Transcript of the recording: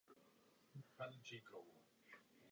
Turecko, přátelský národ, není evropskou zemí.